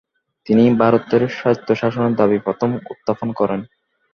তিনি ভারতের স্বায়ত্তশাসনের দাবি প্রথম উত্থাপন করেন।